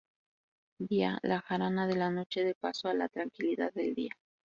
Día: La jarana de la noche da paso a la tranquilidad del día.